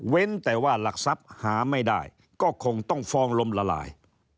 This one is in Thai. แต่ว่าหลักทรัพย์หาไม่ได้ก็คงต้องฟองลมละลาย